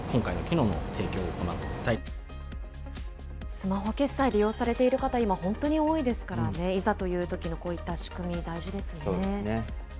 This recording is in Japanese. スマホ決済利用されてる方、今、本当に多いですからね、いざというときの、こういった仕組み、大そうですね。